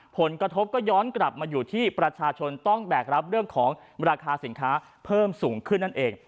ผลกระทบก็ย้อนกลับมาอยู่ที่ประชาชนต้องแบกรับเรื่องของราคาสินค้าเพิ่มสูงขึ้นนั่นเอง